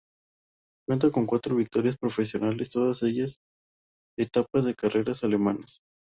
Cuenta con cuatro victorias profesionales, todas ellas etapas de carreras alemanas.